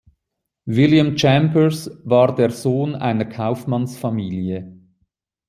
William Chambers war der Sohn einer Kaufmannsfamilie.